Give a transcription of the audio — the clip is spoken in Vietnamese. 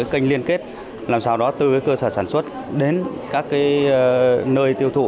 kênh liên kết làm sao đó từ cơ sở sản xuất đến các nơi tiêu thụ